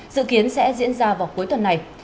dự kiến sẽ diễn ra vào cuối tuần này